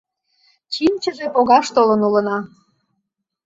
Чинчыже погаш толын улына.